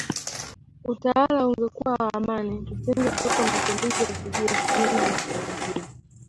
Utawala ungekuwa wa amani kusingekuwepo mapinduzi ya kijeshi Kinyume na matarajio